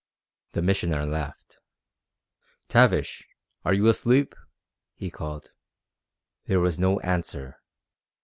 The Missioner laughed. "Tavish, are you asleep?" he called. There was no answer.